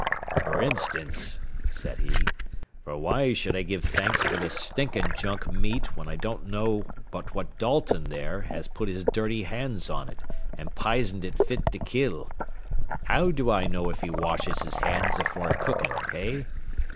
"For instance," said he, "for why should I give thanks fer this stinkin' junk meat when I don't know but what Dalton, there, has put his dirty hands on it an' pisened it fit to kill? How do I know if he washes his hands afore cookin', hey?